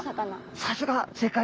さすが正解です。